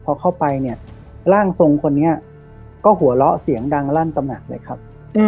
พอเข้าไปเนี่ยร่างทรงคนนี้ก็หัวเราะเสียงดังลั่นตำหนักเลยครับ